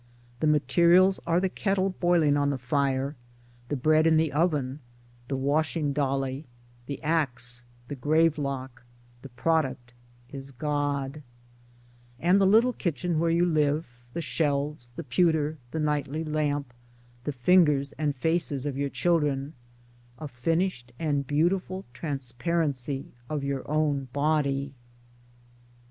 The materials are the kettle boiling on the fire, the bread in the oven, the washing dolly, the axe, the gavelock — the product is God ; And the little kitchen where you live, the shelves, the pewter, the nightly lamp, the fingers and faces of your children — a finished and beautiful Transparency of your own Body.